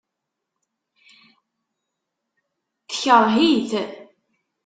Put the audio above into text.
Tekṛeh-it.